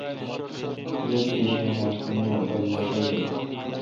زیدہ بیشین اں کہ نہ ڈم داݭاگیل۔